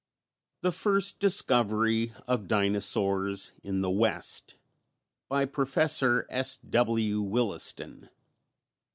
THE FIRST DISCOVERY OF DINOSAURS IN THE WEST. _By Prof. S.W. Williston.